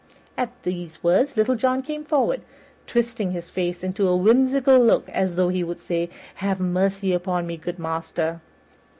At these words Little John came forward, twisting his face into a whimsical look, as though he would say, "Ha' mercy upon me, good master."